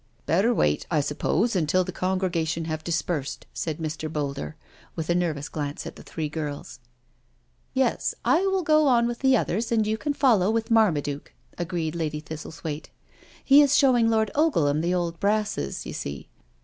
'* Better wait, I suppose, until the congregation have dispersed/' said Mr. Boulder, with a nervous glance at the three girls. *' Yes, I will go on with the others and you can follow with Marmaduke," agreed Lady Thistlethwaite. " He is showing Lord Ogleham the old brasses, you see.